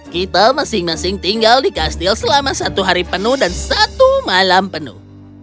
kita masing masing tinggal di kastil selama satu hari penuh dan satu malam penuh